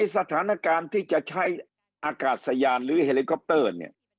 สถานการณ์ที่จะใช้อากาศยานหรือเฮลิคอปเตอร์เนี่ย